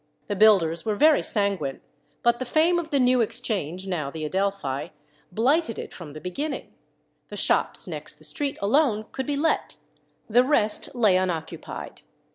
The builders were very sanguine, but the fame of the New Exchange (now the Adelphi) blighted it from the beginning; the shops next the street alone could be let; the rest lay unoccupied.